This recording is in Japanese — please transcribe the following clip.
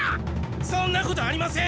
そんなことありません！